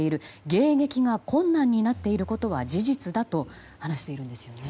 迎撃が困難になっていることは事実だと話しているんですよね。